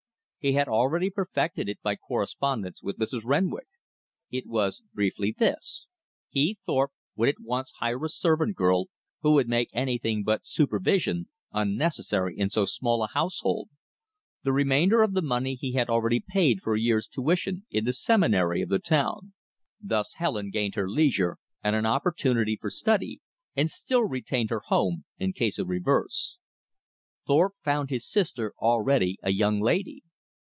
He had already perfected it by correspondence with Mrs. Renwick. It was, briefly, this: he, Thorpe, would at once hire a servant girl, who would make anything but supervision unnecessary in so small a household. The remainder of the money he had already paid for a year's tuition in the Seminary of the town. Thus Helen gained her leisure and an opportunity for study; and still retained her home in case of reverse. Thorpe found his sister already a young lady.